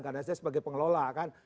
karena saya sebagai pengelola kan